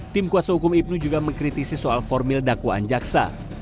tim kuasa hukum ibnu juga mengkritisi soal formil dakwaan jaksa